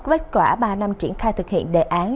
kết quả ba năm triển khai thực hiện đề án